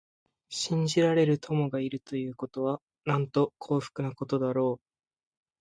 信じられる友がいるということは、なんと幸福なことだろう。